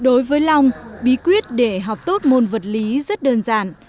đối với long bí quyết để học tốt môn vật lý rất đơn giản